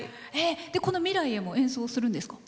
この「未来へ」も演奏するんですか？